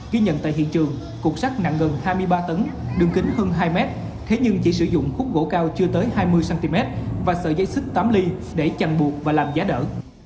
ghi nhận tại hiện trường cục sắt nặng gần hai mươi ba tấn đường kính hơn hai mét thế nhưng chỉ sử dụng khúc gỗ cao chưa tới hai mươi cm và sợi dây xích tám ly để chành buộc và làm giá đỡ